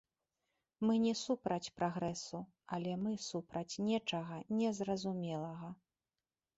Мы не супраць прагрэсу, але мы супраць нечага незразумелага.